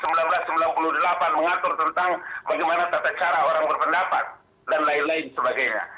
mengatur tentang bagaimana tata cara orang berpendapat dan lain lain sebagainya